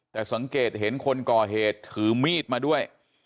แต่สังเกตเห็นคนก่อเหตุถือมีดมาด้วย